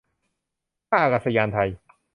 ท่าอากาศยานไทย